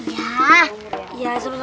ya ya semuanya